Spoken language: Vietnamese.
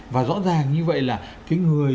và rõ ràng như vậy là cái người